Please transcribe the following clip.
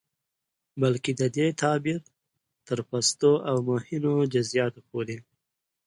بلکې د دې تعبير تر پستو او مهينو جزيىاتو پورې